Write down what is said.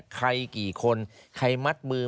ใครกี่คนใครมัดมือ